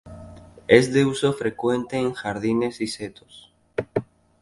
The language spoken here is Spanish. Es de uso frecuente en jardines y setos.